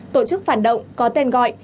tổ chức phản động có tên gọi